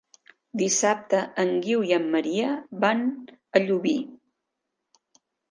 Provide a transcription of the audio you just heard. Dissabte en Guiu i en Maria van a Llubí.